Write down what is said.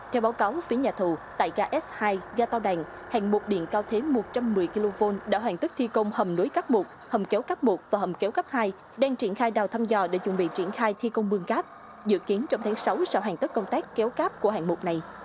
theo báo cáo phía nhà thù tại gà s hai ga tàu đàn hạng mục điện cao thế một trăm một mươi kv đã hoàn tất thi công hầm nối cấp một hầm kéo cấp một và hầm kéo cấp hai đang triển khai đào thăm dò để chuẩn bị triển khai thi công mương cáp dự kiến trong tháng sáu sẽ hoàn tất công tác kéo cáp của hạng mục này